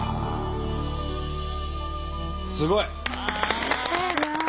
すごい！